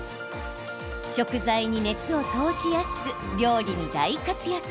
食材に熱を通しやすく料理に大活躍。